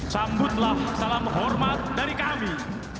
sambutlah salam hormat dari kami